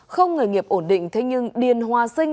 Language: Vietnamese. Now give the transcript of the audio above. không người nghiệp ổn định thế nhưng điền hòa sinh